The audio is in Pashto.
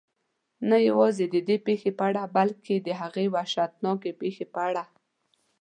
نه یوازې ددې پېښې په اړه بلکې د هغې وحشتناکې پېښې په اړه.